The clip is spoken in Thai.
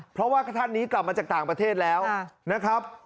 เพราะว่าท่านนี้กลับมาจากต่างประเทศแล้วนะครับ